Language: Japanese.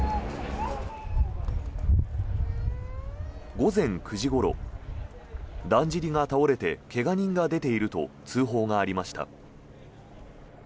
午前９時ごろだんじりが倒れて怪我人が出ていると通報がありました。